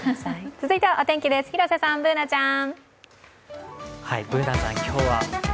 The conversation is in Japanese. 続いてはお天気です、広瀬さん、Ｂｏｏｎａちゃん。